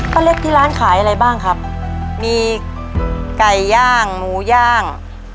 เล็กที่ร้านขายอะไรบ้างครับมีไก่ย่างหมูย่าง